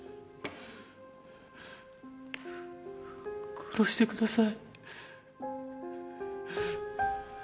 殺してください。